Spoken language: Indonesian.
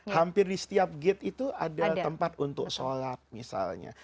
hampir di setiap gate itu ada tempat untuk sholat misalnya